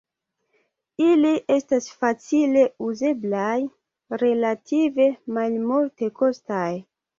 Ili estas facile uzeblaj, relative malmultekostaj.